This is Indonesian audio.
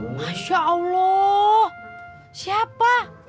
masya allah siapa